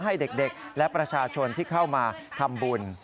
ให้เด็กและประชาชนที่เข้ามาทำบุญ